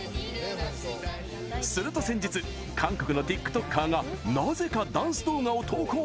すると先日、韓国のＴｉｋＴｏｋｅｒがなぜかダンス動画を投稿！